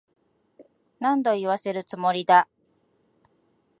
何度言わせるつもりだ。